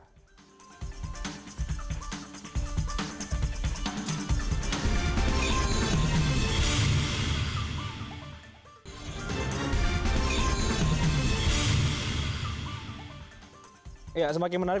tuhan kita itu sendiri